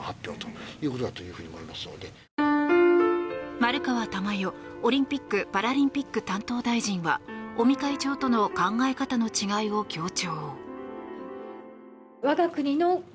丸川珠代オリンピック・パラリンピック担当大臣は尾身会長との考え方の違いを強調。